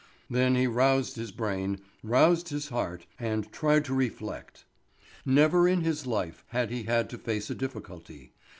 Then he roused his brain, roused his heart, and tried to reflect. Never in his life had he had to face a difficulty.